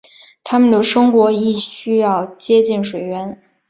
它们的生活亦需要接近水源。